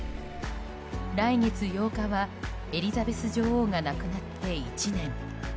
来月８日は、エリザベス女王が亡くなって１年。